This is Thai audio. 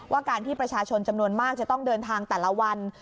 การที่ประชาชนจำนวนมากจะต้องเดินทางแต่ละวัน